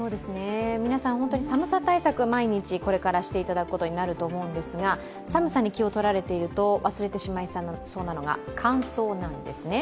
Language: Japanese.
皆さん本当に寒さ対策、毎日これからしていただくことになると思うんですが、寒さに気を取られていると忘れてしまいそうなのが乾燥なんですね。